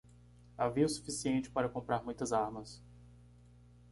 Havia o suficiente para comprar muitas armas.